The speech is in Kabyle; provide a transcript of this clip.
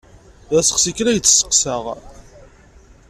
D asseqsi kan ay d-sseqsaɣ.